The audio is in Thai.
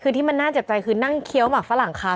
คือที่มันน่าเจ็บใจคือนั่งเคี้ยวหมักฝรั่งเขา